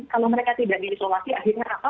kalau mereka tidak diisolasi akhirnya rapat